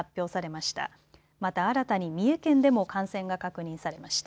また、新たに三重県でも感染が確認されました。